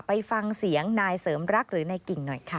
ไปฟังเสียงนายเสริมรักหรือนายกิ่งหน่อยค่ะ